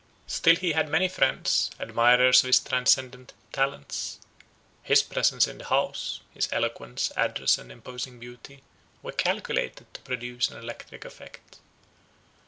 Still he had many friends, admirers of his transcendent talents; his presence in the house, his eloquence, address and imposing beauty, were calculated to produce an electric effect.